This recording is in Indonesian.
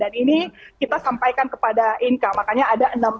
dan ini kita sampaikan kepada inka makanya ada enam belas